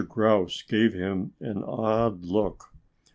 Grouse gave him an odd look.